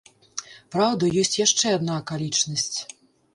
Праўда, ёсць яшчэ адна акалічнасць.